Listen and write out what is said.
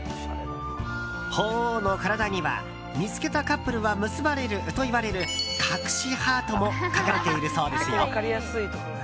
鳳凰の体には見つけたカップルは結ばれるといわれる隠しハートも描かれているそうですよ。